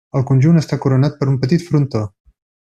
El conjunt està coronat per un petit frontó.